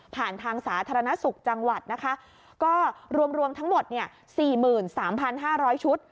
ทางสาธารณสุขจังหวัดนะคะก็รวมรวมทั้งหมดเนี่ย๔๓๕๐๐ชุด